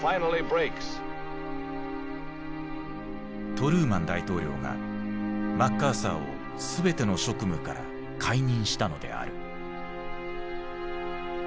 トルーマン大統領がマッカーサーを全ての職務から解任したのである。